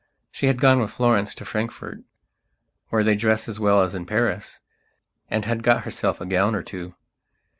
She had gone with Florence to Frankfurt, where they dress as well as in Paris, and had got herself a gown or two.